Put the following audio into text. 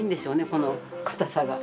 この硬さが。